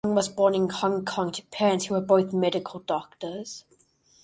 Ong was born in Hong Kong to parents who were both medical doctors.